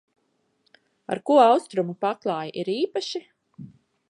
Ar ko austrumu paklāji ir īpaši?